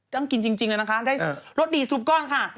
ต้องกินจริงเลยนะคะได้รสดีซุปก้อนค่ะ